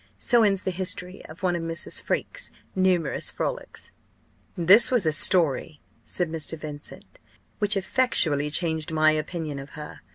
So ends the history of one of Mrs. Freke's numerous frolics." "This was the story," said Mr. Vincent, "which effectually changed my opinion of her.